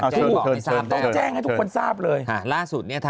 ถูกแจ้งให้ทุกคนทุกคนทราบเลย